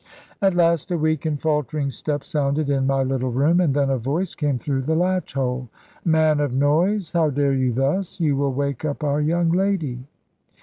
At last a weak and faltering step sounded in my little room, and then a voice came through the latch hole, "Man of noise, how dare you thus? you will wake up our young lady."